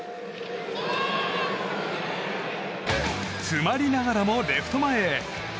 詰まりながらもレフト前へ。